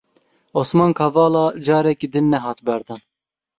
Osman Kavala careke din nehat berdan.